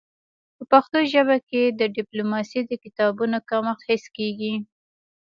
په پښتو ژبه کي د ډيپلوماسی د کتابونو کمښت حس کيږي.